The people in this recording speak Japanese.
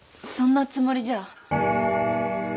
そんなつもりじゃ。